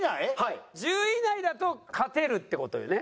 １０位以内だと勝てるって事よね？